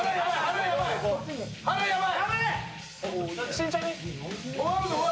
慎重に。